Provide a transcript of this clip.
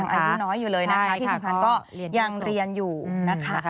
อายุน้อยอยู่เลยนะคะที่สำคัญก็ยังเรียนอยู่นะคะ